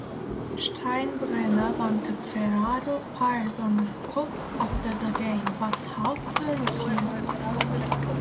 Steinbrenner wanted Ferraro fired on the spot after the game, but Howser refused.